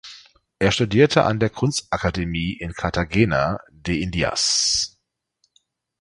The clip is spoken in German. Er studierte an der Kunstakademie in Cartagena de Indias.